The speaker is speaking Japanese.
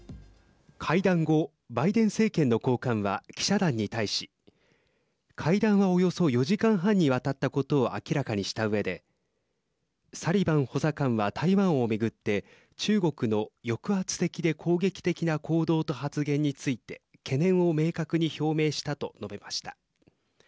会談後、バイデン政権の高官は記者団に対し会談は、およそ４時間半にわたったことを明らかにしたうえでサリバン補佐官は台湾を巡って中国の抑圧的で攻撃的な行動と発言について懸念を明確に表明したと述べました。